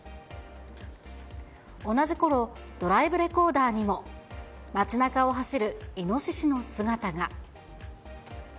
同じころ、ドライブレコーダーにも、街なかを走るイノシシの姿が。